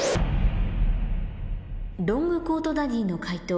ロングコートダディの解答